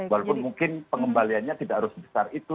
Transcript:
walaupun mungkin pengembaliannya tidak harus sebesar itu